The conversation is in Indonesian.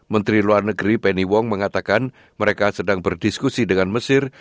menteri luar negeri penny wong mengatakan mereka sedang berdiskusi dengan mesir